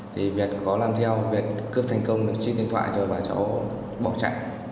thì việt có làm theo việt cướp thành công mình chiếc điện thoại rồi bảo cháu bỏ chạy